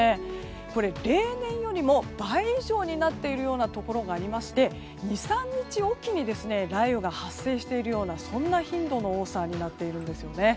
これ、例年よりも倍以上になっているところがありまして２３日おきに雷雨が発生しているようなそんな頻度の多さになっているんですよね。